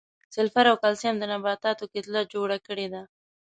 سلفر او کلسیم د نباتاتو کتله جوړه کړې ده.